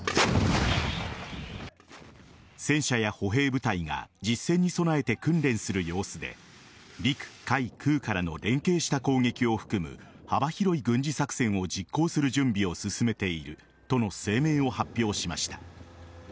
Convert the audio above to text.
戦車や歩兵部隊が実戦に備えて訓練する様子で陸・海・空からの連携した攻撃を含む幅広い軍事作戦を実行する準備を進めているとの声明を発表しました。